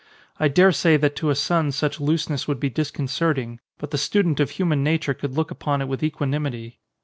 I daresay that to a son such looseness would be disconcerting, but the student of human nature could look upon it with equanimity.